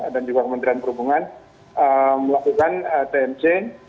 dan juga kementerian perhubungan melakukan tnc